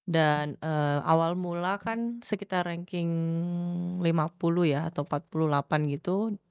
dan awal mula kan sekitar ranking lima puluh ya atau empat puluh delapan gitu